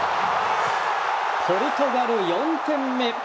ポルトガル４点目。